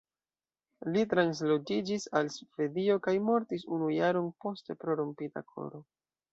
Li transloĝiĝis al Svedio kaj mortis unu jaron poste pro "rompita koro".